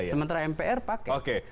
sementara mpr paket